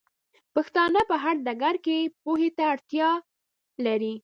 پښتانۀ په هر ډګر کې پوهې ته ډېره اړتيا لري